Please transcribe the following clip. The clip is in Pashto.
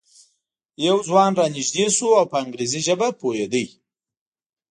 یو ځوان را نږدې شو او په انګریزي ژبه پوهېده.